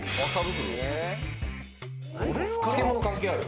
漬物関係ある？